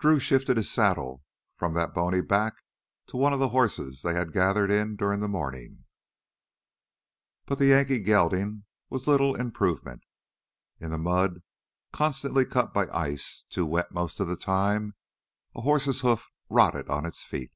Drew shifted his saddle from that bony back to one of the horses they had gathered in during the morning. But the Yankee gelding was little improvement. In the mud, constantly cut by ice, too wet most of the time, a horse's hoofs rotted on its feet.